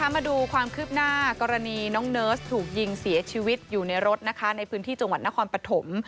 มาดูความคืบหน้ากรณีน้องเนิร์สถูกยิงเสียชีวิตอยู่ในรถนะคะในพื้นที่จังหวัดนครปฐม